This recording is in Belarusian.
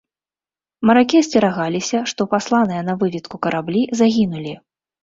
Маракі асцерагаліся, што пасланыя на выведку караблі загінулі.